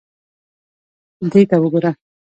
دې ته وګوره.